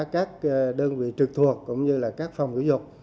các đơn vị trực thuộc cũng như các phòng giáo dục